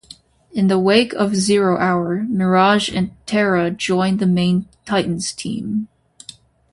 In the wake of "Zero Hour", Mirage and Terra join the main Titans team.